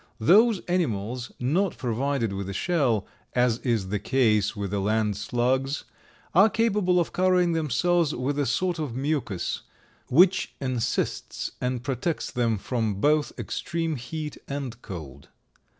Those animals not provided with a shell, as is the case with the land slugs, are capable of covering themselves with a sort of mucus which encysts and protects them from both extreme heat and cold.